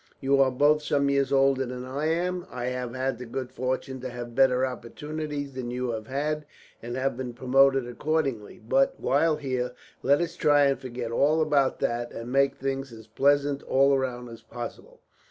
You are both some years older than I am. I have had the good fortune to have better opportunities than you have had, and have been promoted accordingly; but while here, let us try and forget all about that, and make things as pleasant all round as possible."